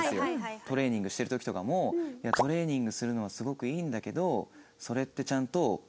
トレーニングしてる時とかも「トレーニングするのはすごくいいんだけどそれってちゃんと糖質足りてる？」